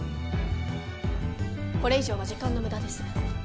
これ以上は時間の無駄です。